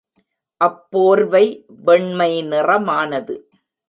அப் போர்வை வெண்மை நிறமானது.